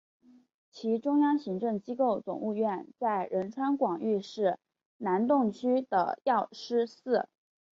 其中央行政机构总务院在仁川广域市南洞区的药师寺。